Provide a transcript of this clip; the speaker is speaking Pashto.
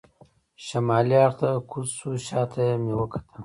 شمالي اړخ ته کوز شو، شا ته مې وکتل.